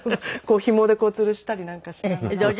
ひもでつるしたりなんかしながら。